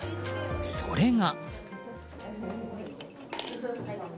それが。